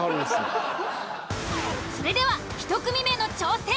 それでは１組目の挑戦。